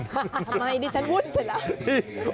ทำไมดิฉันวุ่นเสร็จแล้ว